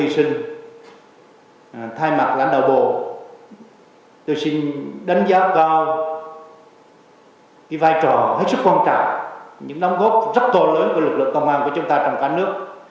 xin đánh giá cao cái vai trò hết sức quan trọng những đóng góp rất to lớn của lực lượng công an của chúng ta trong cả nước